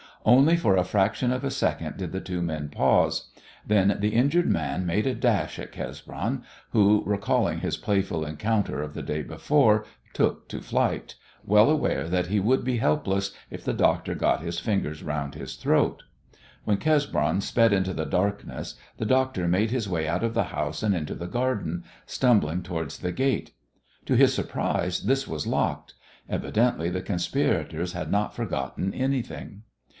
Only for a fraction of a second did the two men pause. Then the injured man made a dash at Cesbron, who, recalling his playful encounter of the day before, took to flight, well aware that he would be helpless if the doctor got his fingers round his throat. When Cesbron sped into the darkness the doctor made his way out of the house and into the garden, stumbling towards the gate. To his surprise this was locked. Evidently the conspirators had not forgotten anything.